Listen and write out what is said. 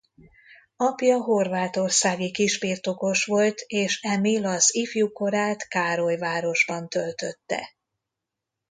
Apja horvátországi kisbirtokos volt és Emil az ifjúkorát Károlyvárosban töltötte.